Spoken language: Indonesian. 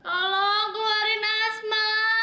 tolong keluarin asma